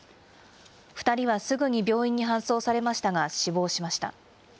２人はすぐに病院に搬送されましたが、死亡しました。